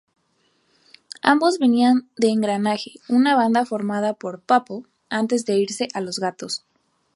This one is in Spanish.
Ambos venían de Engranaje, una banda formada por Pappo, antes irse a Los Gatos.